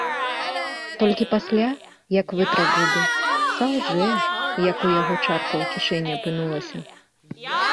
Толькі пасля, як вытра губы, салжэ, як у яго чарка ў кішэні апынулася.